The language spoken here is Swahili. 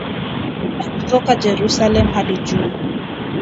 na kutoka Jerusalem hadi juu